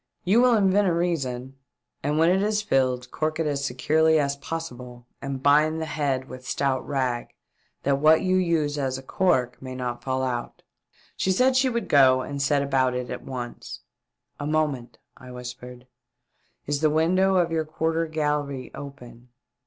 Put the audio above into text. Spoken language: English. You will invent a reason, and when it is filled cork it as securely as possible and bind the head with stout rag that what you use as a cork may not fall out." She said she would go and see about it at once. " A moment," I whispered. Is the window of your quarter gallery open